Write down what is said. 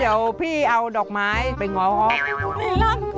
อ๋อเดี๋ยวพี่เอาดอกไม้ไปง๊อบ